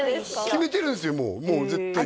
決めてるんすよもう絶対です